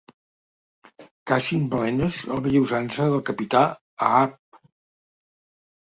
Cacin balenes a la vella usança del capità Ahab.